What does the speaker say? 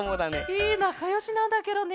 へえなかよしなんだケロね。